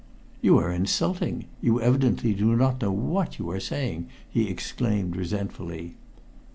"You are insulting! You evidently do not know what you are saying," he exclaimed resentfully.